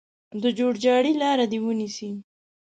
د جوړجاړي لاره دې ونیسي.